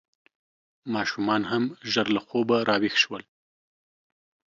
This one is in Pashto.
ماشومان هم ژر له خوبه راویښ شول.